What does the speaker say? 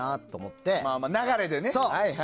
まあまあ、流れでね。